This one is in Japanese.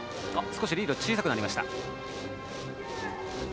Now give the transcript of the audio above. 少しリードが小さくなりました。